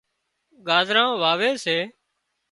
ڳازران واوي سي